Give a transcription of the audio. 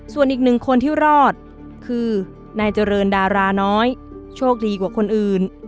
ส่วนอีกหนึ่งคนที่รอดคือนายเจริญดาราน้อยโชคดีกว่าคนอื่น